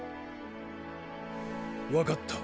分かった。